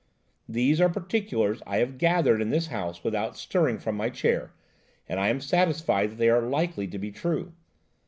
These are particulars I have gathered in this house without stirring from my chair, and I am satisfied that they are likely to be true.